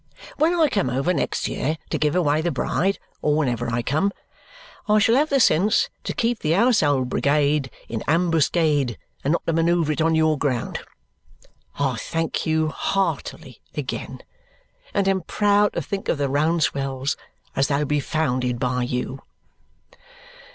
When I come over next year to give away the bride, or whenever I come, I shall have the sense to keep the household brigade in ambuscade and not to manoeuvre it on your ground. I thank you heartily again and am proud to think of the Rouncewells as they'll be founded by you."